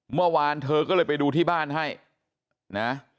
เมื่อวานเธอก็เลยไปดูที่บ้านให้นะ